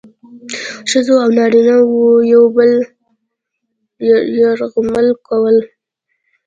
ښځو او نارینه وو یو بل یرغمل کول.